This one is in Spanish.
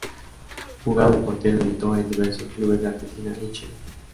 Jugaba de portero y militó en diversos clubes de Argentina y Chile.